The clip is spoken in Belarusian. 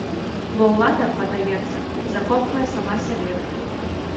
Бо ўлада, падаецца, закопвае сама сябе.